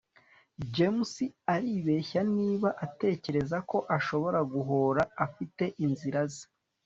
james aribeshya niba atekereza ko ashobora guhora afite inzira ze